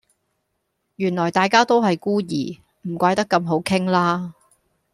原來大家都係孤兒，唔怪得咁好傾啦